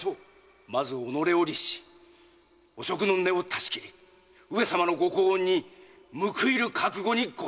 〔まず己を律し汚職の根を断ち切り上様のご高恩に報いる覚悟にございます〕